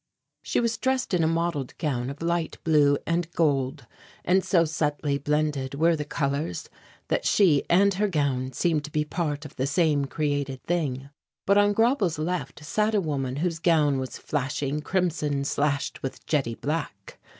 She was dressed in a mottled gown of light blue and gold, and so subtly blended were the colours that she and her gown seemed to be part of the same created thing. But on Grauble's left sat a woman whose gown was flashing crimson slashed with jetty black.